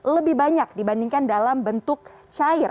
lebih banyak dibandingkan dalam bentuk cair